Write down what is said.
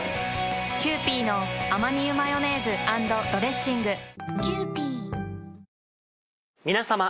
キユーピーのアマニ油マヨネーズ＆ドレッシング皆さま。